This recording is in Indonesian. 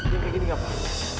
dia kayak gini pak